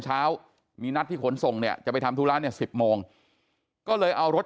เช้ามีนัดที่ขนส่งเนี่ยจะไปทำธุระเนี่ย๑๐โมงก็เลยเอารถ